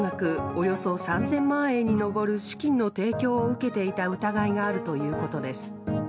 およそ３０００万円に上る資金の提供を受けていた疑いがあるということです。